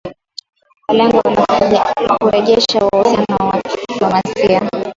Kwa lengo la kurejesha uhusiano wa kidiplomasia.